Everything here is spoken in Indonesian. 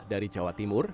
dari jawa timur